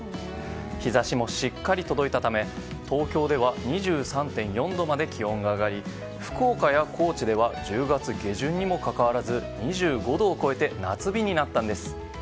日差しもしっかり届いたため東京では２３．４度まで気温が上がり福岡や高知では１０月下旬にもかかわらず２５度を超えて夏日になったんです。